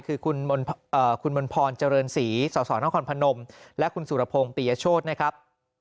คือคุณมนพรเจริญศรีสสนครพนมและคุณสุรพงศ์ปียโชธนะครับ